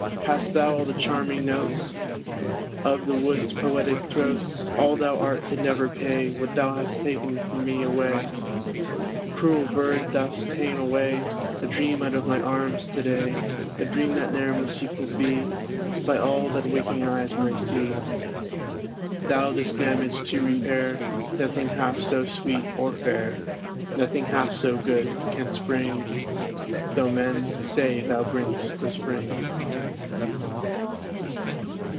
Hadst thou all the charming notes Of the wood's poetic throats, All thou art could never pay What thou hast ta'en from me away. Cruel bird! thou'st ta'en away A dream out of my arms to day; A dream that ne'er must equaled be By all that waking eyes may see. Thou, this damage to repair, Nothing half so sweet or fair, Nothing half so good, canst bring, Though men say thou bring'st the Spring.